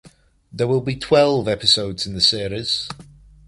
There will be twelve episodes in the series.